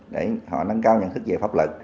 để họ nâng cao nhận thức về pháp luật